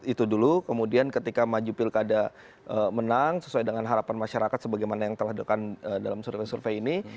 itu dulu kemudian ketika maju pilkada menang sesuai dengan harapan masyarakat sebagaimana yang telah dilakukan dalam survei survei ini